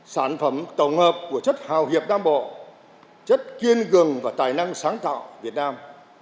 sản phẩm tổng hợp của chất hào hiệp nam bộ chất kiên cường và tài năng sáng tạo việt nam